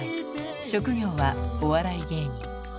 職業はお笑い芸人。